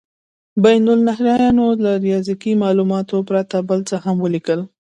بین النهرینیانو له ریاضیکي مالوماتو پرته بل څه هم ولیکل.